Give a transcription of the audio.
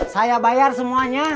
saya bayar semuanya